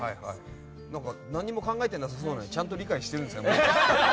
何も考えてなさそうなのにちゃんと理解してるんですね。